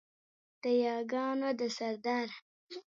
د یاګانو ده سرداره